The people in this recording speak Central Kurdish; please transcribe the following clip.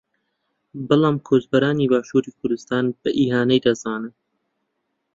بەڵام کۆچبەرانی باشووری کوردستان بە ئیهانەی دەزانن